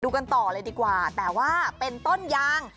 กันต่อเลยดีกว่าแต่ว่าเป็นต้นยาง